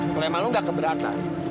klaiman lo gak keberatan